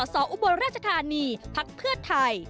อุบลราชธานีพักเพื่อไทย